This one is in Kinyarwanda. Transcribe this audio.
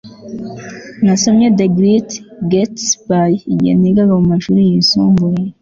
nasomye the great gatsby igihe nigaga mumashuri yisumbuye